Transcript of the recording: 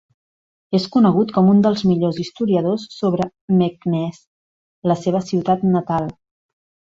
És conegut com un dels millors historiadors sobre Meknès, la seva ciutat natal.